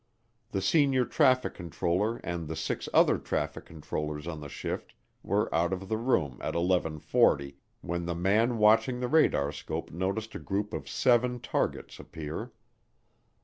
The senior traffic controller and the six other traffic controllers on the shift were out of the room at eleven forty, when the man watching the radarscope noticed a group of seven targets appear.